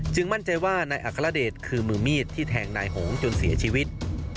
มั่นใจว่านายอัครเดชคือมือมีดที่แทงนายหงจนเสียชีวิต